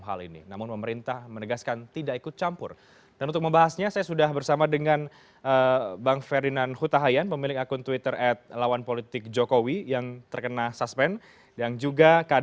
fahri meminta twitter untuk tidak berpolitik